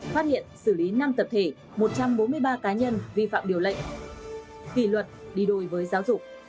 phát hiện xử lý năm tập thể một trăm bốn mươi ba cá nhân vi phạm điều lệ kỷ luật đi đôi với giáo dục